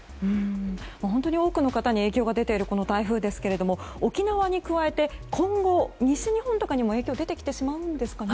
多くの方に影響が出ているこの台風ですけども沖縄に加えて今後、西日本とかにも影響出てきてしまうんですかね。